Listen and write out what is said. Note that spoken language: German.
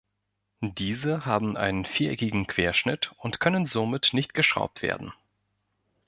Diese haben einen viereckigen Querschnitt und können somit nicht geschraubt werden.